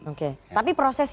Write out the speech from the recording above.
oke tapi prosesnya